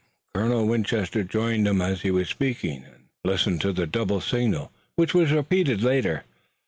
Colonel Winchester joined them as he was speaking, and listened to the double signal which was repeated later.